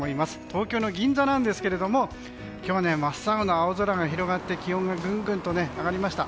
東京の銀座なんですけども今日は真っ青な青空が広がって気温がぐんぐんと上がりました。